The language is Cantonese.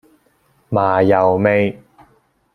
麻油味